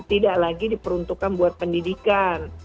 tidak lagi diperuntukkan buat pendidikan